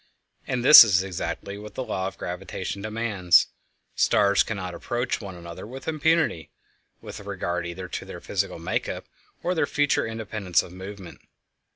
And this is exactly what the law of gravitation demands; stars cannot approach one another with impunity, with regard either to their physical make up or their future independence of movement.